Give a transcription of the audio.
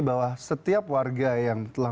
bahwa setiap warga yang telah